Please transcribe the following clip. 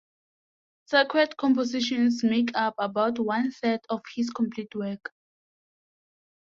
Sacred compositions make up about one third of his complete works.